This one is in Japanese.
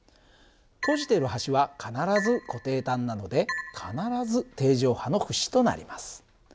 閉じている端は必ず固定端なので必ず定常波の節となります。